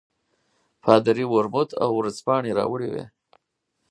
پادري ورموت او ورځپاڼې راوړې وې.